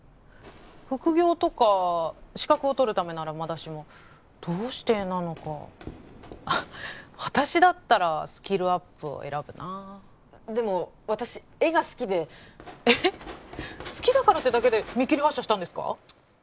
副業とか資格を取るためならまだしもどうして絵なのか私だったらスキルアップを選ぶなあでも私絵が好きでえっ好きだからってだけで見切り発車したんですか？